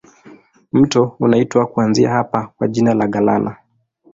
Mto unaitwa kuanzia hapa kwa jina la Galana.